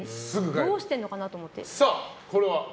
どうしてるのかなと思って。